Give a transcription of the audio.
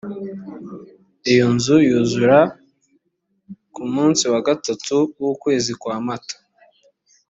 iyo nzu yuzura ku munsi wa gatatu w ukwezi kwa mata